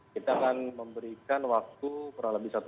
kita akan memberikan waktu kurang lebih satu jam